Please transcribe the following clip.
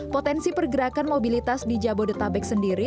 potensi pergerakan mobilitas di jabodetabek sendiri